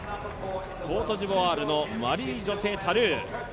コートジボワールのマリー・ジョセ・タルー。